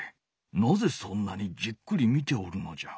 なぜそんなにじっくり見ておるのじゃ？